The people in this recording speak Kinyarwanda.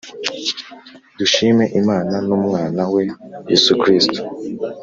Dushime Imana n’umwana we Yesu Kristo